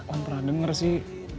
om pernah denger sih